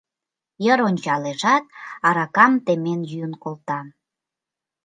Йыр ончалешат, аракам темен йӱын колта.